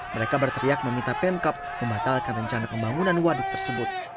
mereka berteriak meminta pemkap membatalkan rencana pembangunan waduk tersebut